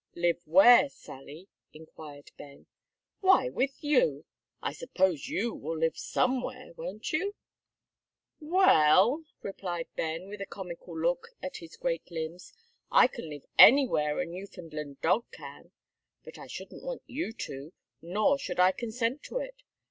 "Live where, Sally?" inquired Ben. "Why, with you. I suppose you will live somewhere won't you?" "Well," replied Ben, with a comical look at his great limbs, "I can live anywhere a Newfoundland dog can; but I shouldn't want you to, nor should I consent to it.